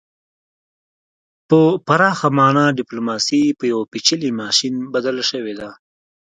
په پراخه مانا ډیپلوماسي په یو پیچلي ماشین بدله شوې ده